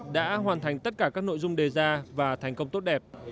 đã hoàn thành tất cả các nội dung đề ra và thành công tốt đẹp